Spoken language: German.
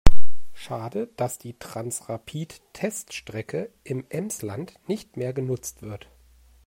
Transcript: Schade, dass die Transrapid-Teststrecke im Emsland nicht mehr genutzt wird.